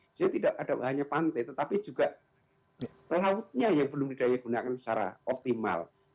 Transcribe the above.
sehingga tidak hanya ada pantai tetapi juga pelautnya yang belum didaya gunakan secara optimal